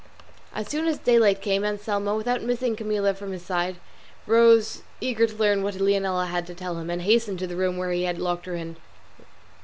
As soon as daylight came Anselmo, without missing Camilla from his side, rose cager to learn what Leonela had to tell him, and hastened to the room where he had locked her in.